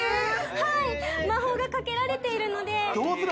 はい魔法がかけられているのでどうする？